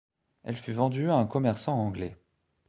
Elle fut vendue à un commerçant anglais.